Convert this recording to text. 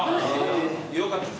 よかったですか？